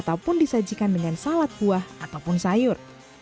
ataupun disajikan dengan salad buah ataupun sayur